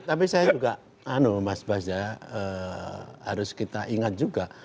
tapi saya juga mas basya harus kita ingat juga